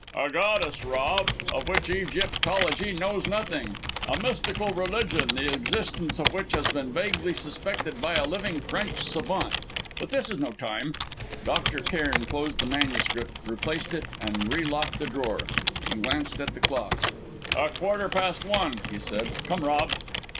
"A goddess, Rob, of which Egyptology knows nothing! a mystical religion the existence of which has been vaguely suspected by a living French savant ... but this is no time " Dr. Cairn closed the manuscript, replaced it and relocked the drawer. He glanced at the clock. "A quarter past one," he said. "Come, Rob!"